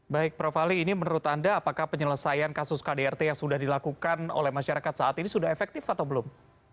baik prof ali ini menurut anda apakah penyelesaian kasus kdrt yang sudah dilakukan oleh masyarakat saat ini sudah efektif atau belum